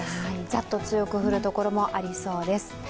ザッと強く降るところもありそうです。